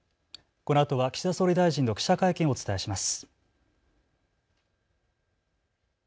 この時間は、岸田総理大臣の記者会見をお伝えします。